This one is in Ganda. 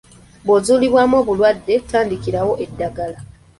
Bw'ozuulibwamu obulwadde, tandikirawo eddagala.